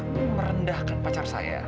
itu merendahkan pacar saya